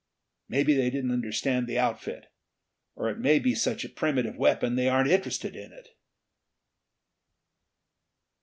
Maybe they didn't understand the outfit or it may be such a primitive weapon that they aren't interested in it."